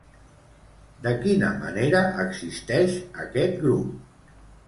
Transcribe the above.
De quina manera existeix aquest grup?